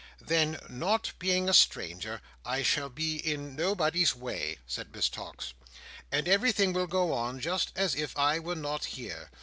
"Then, not being a stranger, I shall be in nobody's way," said Miss Tox, "and everything will go on just as if I were not here.